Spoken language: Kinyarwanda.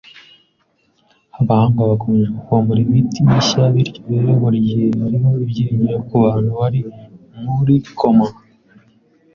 Abahanga bakomeje kuvumbura imiti mishya, bityo rero burigihe hariho ibyiringiro kubantu bari muri koma